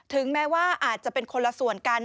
ถึงแม้ว่าอาจจะเป็นคนละส่วนกัน